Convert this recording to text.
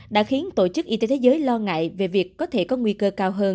đã khiến tổ chức y tế thế giới lo ngại về việc có thể có nguy cơ cao hơn